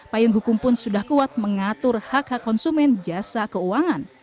payung hukum pun sudah kuat mengatur hak hak konsumen jasa keuangan